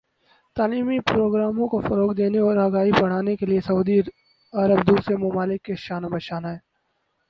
تعلیمی پروگراموں کو فروغ دینے اور آگاہی بڑھانے کے لئے سعودی عرب دوسرے ممالک کے شانہ بشانہ ہے